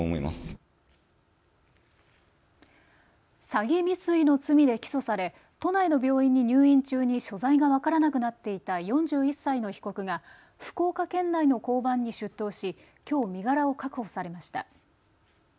詐欺未遂の罪で起訴され都内の病院に入院中に所在が分からなくなっていた４１歳の被告が福岡県内の交番に出頭し、きょう身柄を確保されました。